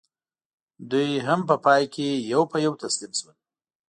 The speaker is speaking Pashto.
دوی هم په پای کې یو په یو تسلیم شول.